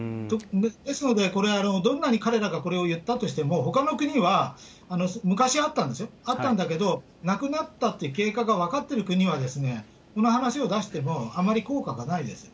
ですので、これ、どんなに彼らがこれを言ったとしても、ほかの国は、昔あったんですよ、あったんだけど、なくなったという経過が分かってる国は、その話を出してもあまり効果がないです。